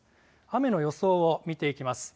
雨の予想を見ていきます。